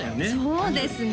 そうですね